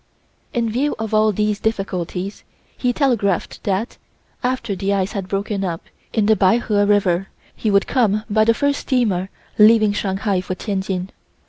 In view of all these difficulties, he telegraphed that, after the ice had broken up in the Peiho River, we would come by the first steamer leaving Shanghai for Tientsin.